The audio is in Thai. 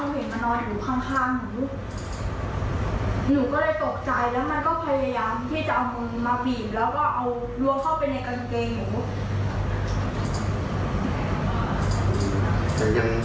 บอกว่านั้นเดี๋ยวหนูไปแปลงฟังก่อน